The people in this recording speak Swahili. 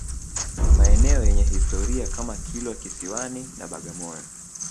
Maeneo yenye historia kama Kilwa Kisiwani na Bagamoyo